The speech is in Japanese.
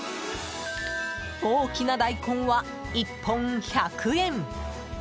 大きな大根は１本１００円。